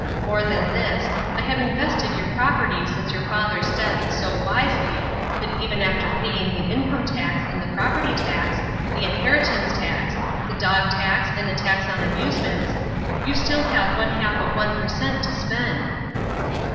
More than this, I have invested your property since your father's death so wisely that even after paying the income tax and the property tax, the inheritance tax, the dog tax and the tax on amusements, you will still have one half of one per cent to spend."